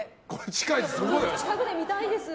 近くで見たいですよ。